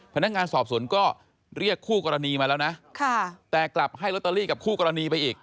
พนักงานสอบสวนก็เรียกคู่กรณีมาแล้วนะแต่กลับให้ลอตเตอรี่กับคู่กรณีไปอีก